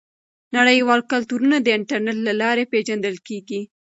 نړیوال کلتورونه د انټرنیټ له لارې پیژندل کیږي.